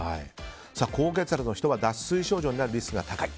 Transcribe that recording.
高血圧の人は脱水症状になるリスクが高い。